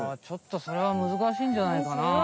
ちょっとそれはむずかしいんじゃないかな。